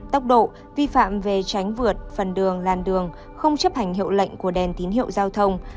tốc độ vi phạm về tránh vượt phần đường làn đường không chấp hành hiệu lệnh của đèn tín hiệu giao thông